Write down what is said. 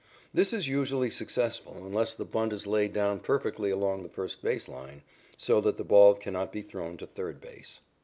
This is usually successful unless the bunt is laid down perfectly along the first base line, so that the ball cannot be thrown to third base.